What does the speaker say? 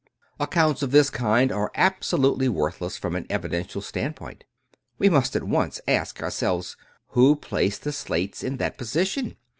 Accounts of this kind are absolutely worth less, from an evidential standpoint We must at once ask ourselves: who placed the slates in that position?